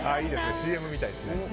ＣＭみたいです。